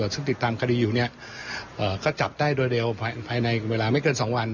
ซึ่งติดตามคดีอยู่เนี่ยก็จับได้โดยเร็วภายในเวลาไม่เกิน๒วัน